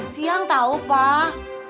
siang tau pak